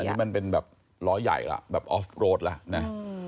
อันนี้มันเป็นแบบล้อใหญ่แล้วแบบออฟโรดแล้วนะ